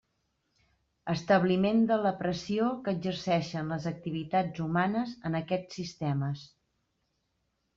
Establiment de la pressió que exerceixen les activitats humanes en aquests sistemes.